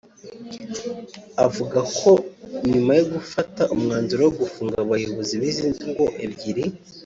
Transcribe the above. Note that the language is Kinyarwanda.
Avuga ko nyuma yo gufata umwanzuro wo gufunga abayobozi b’izi ngo ebyiri